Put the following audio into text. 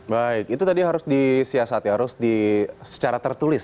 baik itu tadi harus disiasat ya harus secara tertulis